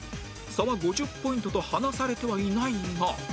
差は５０ポイントと離されてはいないが